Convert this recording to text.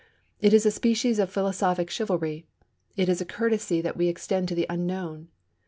It is a species of philosophic chivalry. It is a courtesy that we extend to the unknown.